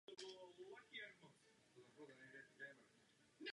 V okolí se rozkládají průmyslové areály.